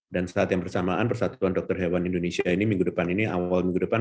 dan saat yang bersamaan persatuan dokter hewan indonesia ini minggu depan ini awal minggu depan